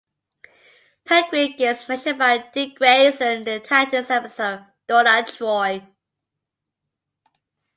Penguin gets mentioned by Dick Grayson in the "Titans" episode "Donna Troy".